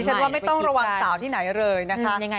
ฉันว่าไม่ต้องระวังสาวที่ไหนเลยนะคะ